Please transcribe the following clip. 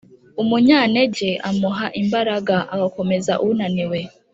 Umunyantege amuha imbaraga, agakomeza unaniwe.